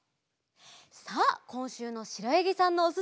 さあこんしゅうのしろやぎさんのおすすめさくひんは？